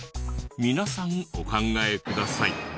皆さんお考えください。